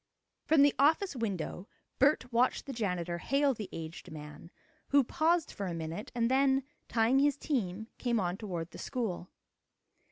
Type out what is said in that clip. From the office window Bert watched the janitor hail the aged man, who paused for a minute, and then, tying his team, came on toward the school.